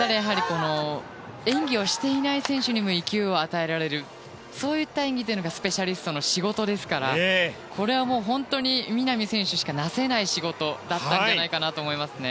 演技をしていない選手にも勢いを与えられるそういった演技というのはスペシャリストの仕事ですからこれは本当に南選手しかなせえない仕事だったんじゃないかと思いますね。